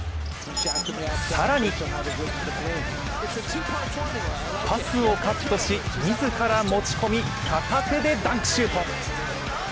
更にパスをカットし、自ら持ち込み片手でダンクシュート。